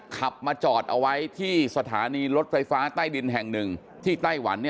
ขับมาจอดเอาไว้ที่สถานีรถไฟฟ้าใต้ดินแห่งหนึ่งที่ไต้หวัน